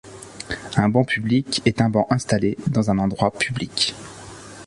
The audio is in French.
Un banc public est un banc installé dans un endroit public.